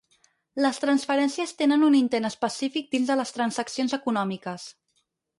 Les transferències tenen un intent específic dins de les transaccions econòmiques.